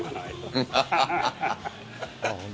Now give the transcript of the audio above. ハハハハ。